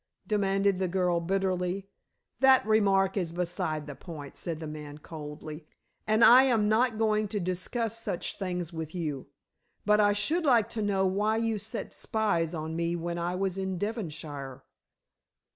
demanded the girl bitterly. "That remark is beside the point," said the man coldly. "And I am not going to discuss such things with you. But I should like to know why you set spies on me when I was in Devonshire?"